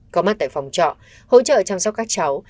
có mặt tại phòng trọ hỗ trợ chăm sóc các cháu